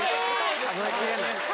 数え切れない。